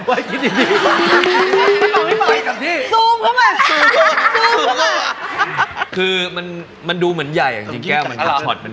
ไอ้ที่พุ่งเยอะไปไม่มีประโยชน์